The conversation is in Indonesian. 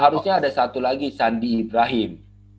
harusnya ada satu lagi sandi ibrahim